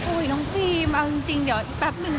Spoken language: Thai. อุ๊ยน้องฟรีมเอาจริงเดี๋ยวอีกแป๊บหนึ่ง